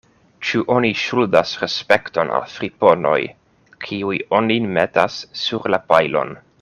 Ĉu oni ŝuldas respekton al friponoj, kiuj onin metas sur la pajlon.